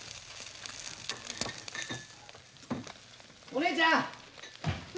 ・お姉ちゃん！